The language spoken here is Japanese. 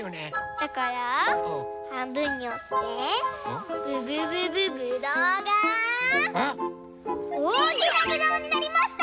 だからはんぶんにおってぶぶぶぶぶどうがおおきなぶどうになりました！